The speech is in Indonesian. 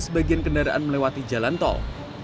sebagian kendaraan melewati jalan tol